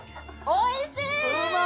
おいしい！